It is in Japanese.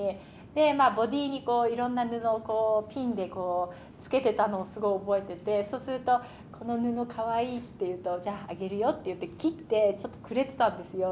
で、ボディーに、いろんな布をピンで付けてたのをすごい覚えてて、そうすると、この布かわいいって言うと、じゃあ、あげるよって言って、切ってちょっとくれてたんですよ。